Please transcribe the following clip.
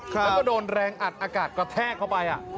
แล้วก็โดนแรงอัดอากาศกระแทกเข้าไป